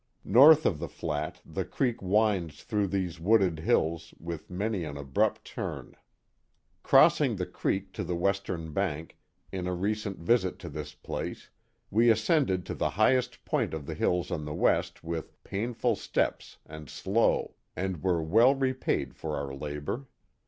North of the flat the creek winds through these wooded hills with many an abrupt turn. 123 124 The Mohawk Valley Crossing the creek to the western bank, in a recent visit to ft this place, we ascended to the highest point of the hills on the west, with " painful steps and slow," and were well repaid for oar labor.